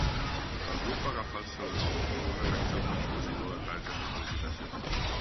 El grup va agafar el seu nom d"una secció d"un expositor de targes de felicitació.